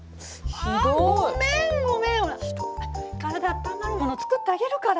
ほら体あったまるもの作ってあげるから。